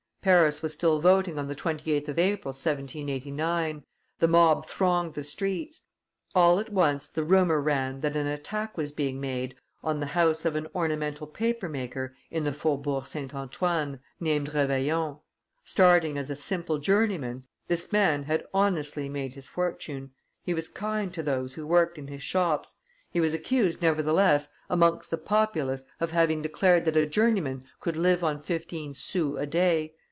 Paris was still voting on the 28th of April, 1789, the mob thronged the streets; all at once the rumor ran that an attack was being made on the house of an ornamental paper maker in the faubourg St. Antoine, named Reveillon. Starting as a simple journeyman, this man had honestly made his fortune; he was kind to those who worked in his shops: he was accused, nevertheless, amongst the populace, of having declared that a journeyman could live on fifteen sous a day.